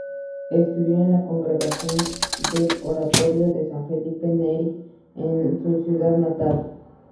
Estudió en la Congregación del Oratorio de San Felipe Neri en su ciudad natal.